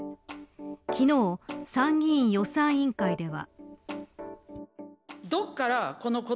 昨日、参議院予算委員会では。